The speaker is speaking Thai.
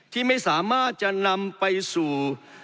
ที่ไม่สามารถจะนำไปสู่